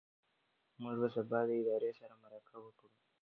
موږ به سبا د ادارې سره مرکه وکړو.